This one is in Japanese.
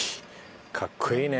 かっこいいね。